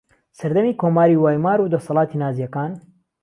سەردەمی کۆماری وایمار و دەسەڵاتی نازییەکان